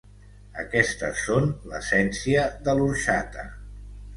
Aquestes són l'essència de l'orxata.